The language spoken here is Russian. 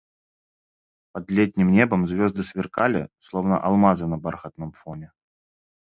Под летним небом звезды сверкали, словно алмазы на бархатном фоне.